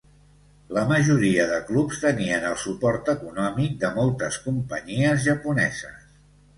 La majoria de clubs tenien el suport econòmic de moltes companyies japoneses.